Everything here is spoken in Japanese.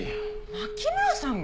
牧村さんが？